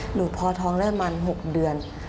หนูพอท้องแล้วมา๖เดือน